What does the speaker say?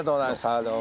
どうも。